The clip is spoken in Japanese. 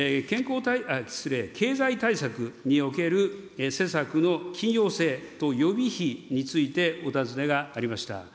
経済対策における施策の緊要性と予備費について、お尋ねがありました。